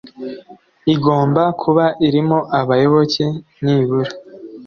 igomba kuba irimo abayoboke nibura